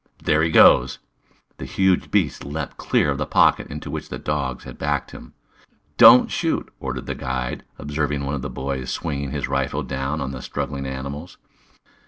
There he goes!" The huge beast leaped clear of the pocket into which the dogs had backed him. "Don't shoot!" ordered the guide, observing one of the boys swinging his rifle down on the struggling animals.